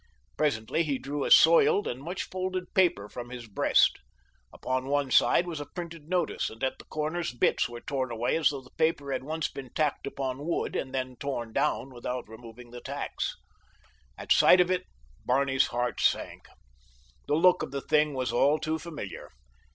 Presently he drew a soiled and much folded paper from his breast. Upon one side was a printed notice, and at the corners bits were torn away as though the paper had once been tacked upon wood, and then torn down without removing the tacks. At sight of it Barney's heart sank. The look of the thing was all too familiar.